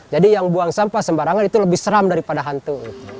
jadi yang buang sampah sembarangan itu lebih seram daripada hantu